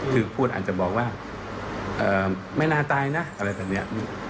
คือพูดอาจจะบอกว่าไม่น่าตายนะอะไรแบบนี้